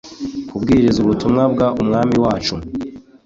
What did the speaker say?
Kubwiriza ubutumwa bw Umwami wacu